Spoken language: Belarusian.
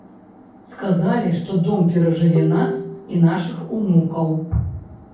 Сказалі, што дом перажыве нас і нашых унукаў.